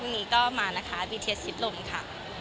ไม่ก็มานะคะพีเทศพิษบินค่ะ